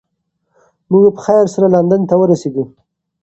موږ په خیر سره لندن ته ورسیدو.